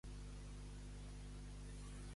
Qui va ser Procles?